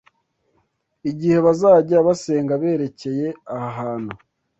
igihe bazajya basenga berekeye aha hantu